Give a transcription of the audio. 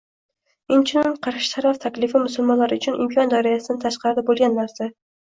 Inchunun, qarshi taraf taklifi musulmonlar uchun imkon doirasidan tashqarida bo‘lgan narsa